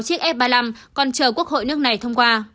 chiếc f ba mươi năm còn chờ quốc hội nước này thông qua